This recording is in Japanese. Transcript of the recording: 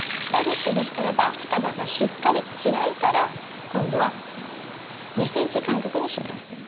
ラディッシュでしたらば双葉がしっかり開いたら今度は２ｃｍ間隔にします。